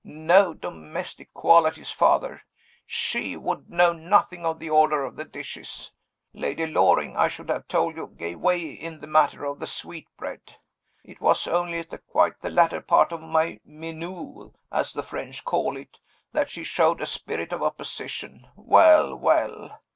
No domestic qualities, Father. She would know nothing of the order of the dishes! Lady Loring, I should have told you, gave way in the matter of the sweetbread. It was only at quite the latter part of my 'Menoo' (as the French call it) that she showed a spirit of opposition well! well!